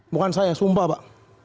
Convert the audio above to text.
bukan saya sumpah pak